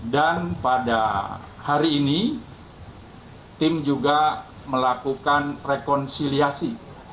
dan pada hari ini tim juga melakukan rekonsiliasi